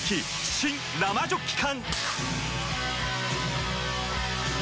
新・生ジョッキ缶！